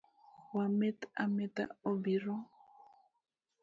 Wa meth ametha obiro.